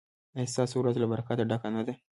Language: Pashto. ایا ستاسو ورځ له برکته ډکه نه ده؟